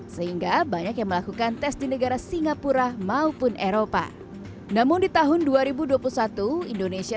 sehingga banyak yang melakukan tes di negara singapura maupun eropa namun di tahun dua ribu dua puluh satu indonesia